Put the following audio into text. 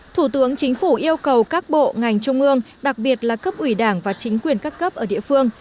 thủ tướng chính phủ yêu cầu các bộ ngành trung ương đặc biệt là cấp ủy đảng và chính quyền các cấp ở địa phương